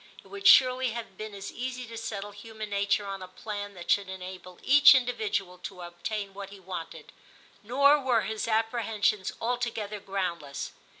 * It would surely have been as easy to settle human nature on a plan that should enable each individual to obtain what he wanted.' Nor were his apprehensions altogether groundless.